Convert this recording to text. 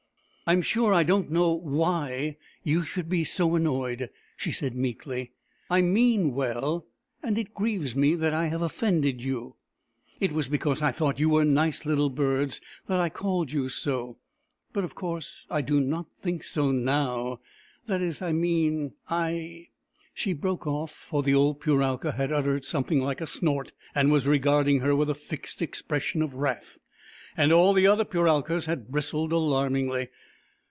"I'm sure I don't know why you should be so annoyed," she said meekly. " I mean well, and it grieves me that I have offended you It was THE EMU WHO WOULD DANCE ^^ because I thought you were nice Httle birds that I called you so, but of course I do not think so now— that is, I mean, I " She broke off, for the old Puralka had uttered something like a snort, and was regarding her with a fixed expres sion of wrath, and all the other Puralkas had bristled alarmingly.